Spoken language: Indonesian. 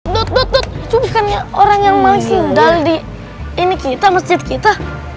dut dut dut cukup kan ya orang yang maling singgal di masjid kita